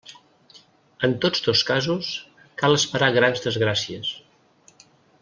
En tots dos casos, cal esperar grans desgràcies.